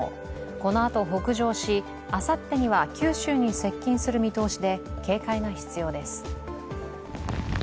このあと北上し、あさってには九州に接近する見通しで警戒が必要です。